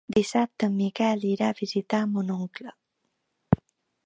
Dissabte en Miquel irà a visitar mon oncle.